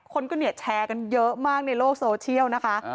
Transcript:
คนก็เนี่ยแชร์กันเยอะมากในโลกโซเชียลนะคะ